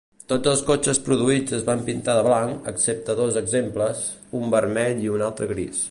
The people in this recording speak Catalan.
Tots els cotxes produïts es van pintar de blanc, excepte dos exemples, un vermell i un altre gris.